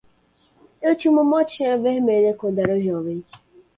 Eu tinha uma motinha vermelha quando era jovem.